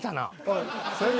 はい。